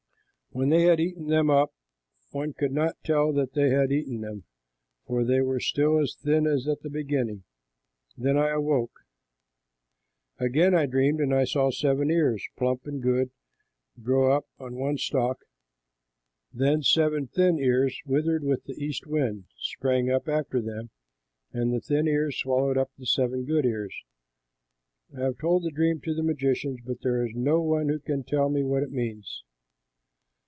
When they had eaten them up, one could not tell that they had eaten them, for they were still as thin as at the beginning. Then I awoke. "Again I dreamed and saw seven ears, plump and good, grow up on one stalk; then seven thin ears, withered with the east wind, sprang up after them; and the thin ears swallowed up the seven good ears. I have told the dream to the magicians, but there is no one who can tell me what it means."